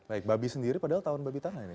baik babi sendiri padahal tahun babi tanah ini